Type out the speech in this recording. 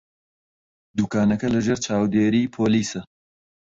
دوکانەکە لەژێر چاودێریی پۆلیسە.